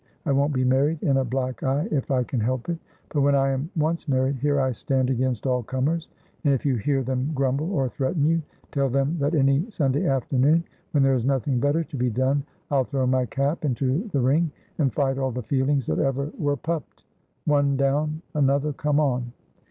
I won't be married in a black eye if I can help it. But, when I am once married, here I stand against all comers, and if you hear them grumble or threaten you, tell them that any Sunday afternoon, when there is nothing better to be done, I'll throw my cap into the ring and fight all the Fieldings that ever were pupped, one down another come on."